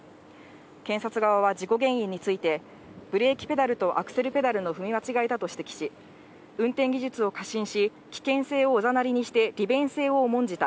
検察側は事故原因について、ブレーキペダルとアクセルペダルの踏み間違いだと指摘し、運転技術を過信し、危険性をおざなりにして利便性を重んじた。